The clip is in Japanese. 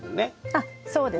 あっそうですね。